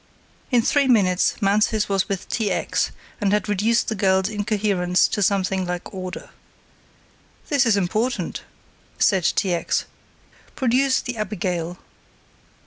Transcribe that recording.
In three minutes Mansus was with T. X. and had reduced the girl's incoherence to something like order. "This is important," said T. X.; "produce the Abigail."